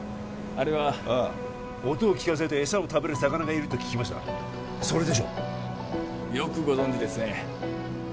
あれはああ音を聞かせて餌を食べる魚がいると聞きましたそれでしょう？よくご存じですね